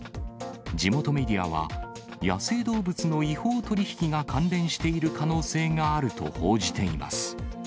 地元メディアは、野生動物の違法取り引きが関連している可能性があると報じています。